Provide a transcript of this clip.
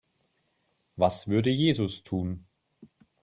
Was würde Jesus tun?